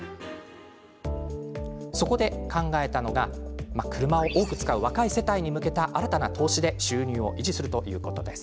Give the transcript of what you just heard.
そこで考えたのが車を多く使う若い世帯に向けた新たな投資で収入を維持することです。